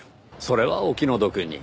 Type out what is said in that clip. それはお気の毒に。